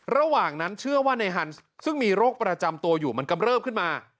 ระหว่างนั้นเชื่อว่าในฮันส์ซึ่งมีโรคประจำตัวอยู่มันกำเริบขึ้นมา